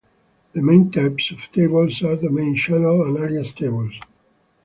The main types of tables are domain, channel, and alias tables.